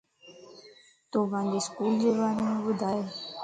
تون پانجي اسڪولجي ڀاريم ٻڌائي